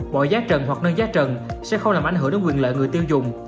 mọi giá trần hoặc nâng giá trần sẽ không làm ảnh hưởng đến quyền lợi người tiêu dùng